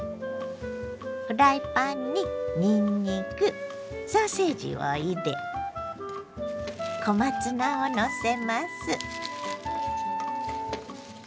フライパンににんにくソーセージを入れ小松菜をのせます。